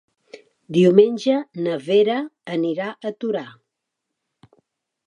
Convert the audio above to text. Diumenge na Vera anirà a Torà.